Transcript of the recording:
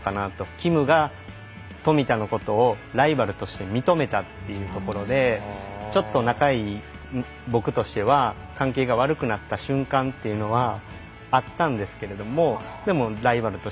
キムが富田のことをライバルとして認めたというところでちょっと仲いい僕としては関係が悪くなった瞬間というのはあったんですけれども